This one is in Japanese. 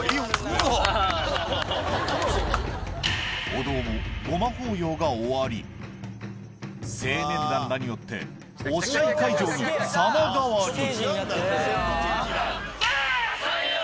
お堂も護摩法要が終わり青年団らによって押し合い会場に様変わり・撒与！